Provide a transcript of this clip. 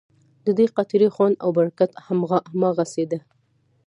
ددې قطرې خوند او برکت هماغسې دی.